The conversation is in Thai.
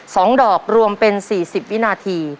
สองดอกรวมเป็นสี่สิบวินาที